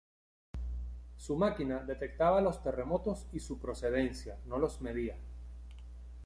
Su máquina detectaba los terremotos y su procedencia, no los medía.